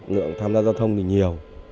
nguyện tham gia giao thông thì nhiều